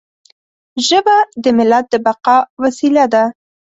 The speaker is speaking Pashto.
ژبه د ملت د بقا وسیله ده.